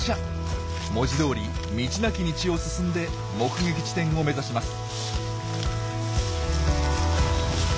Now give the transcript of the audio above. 文字どおり道なき道を進んで目撃地点を目指します。